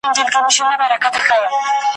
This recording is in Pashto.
لا په منځ كي به زگېروى كله شپېلكى سو ,